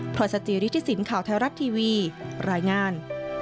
พรสจิริฐศิลป์ข่าวไทยรัฐทีวีรายงาน